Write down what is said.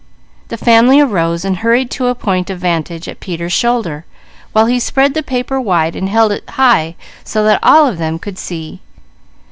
The family arose and hurried to a point of vantage at Peter's shoulder, while he spread the paper wide and held it high so that all of them could see.